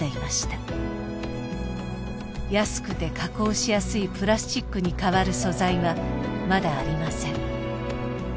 安くて加工しやすいプラスチックに代わる素材はまだありません。